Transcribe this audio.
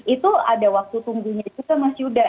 itu ada waktu tunggu nya itu kan masih sudah